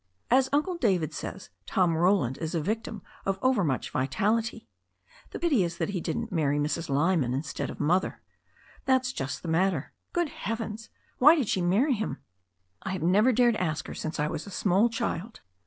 As Uncle David says, Tom Roland is a victim of overmuch vitality. The pity is that he didn't marry Mrs, Lyman instead of Mother. That's just the matter. Good heavens ! Why did she marry him? I have never dared ask her since I was a small child."